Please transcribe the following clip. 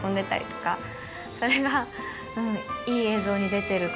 それが。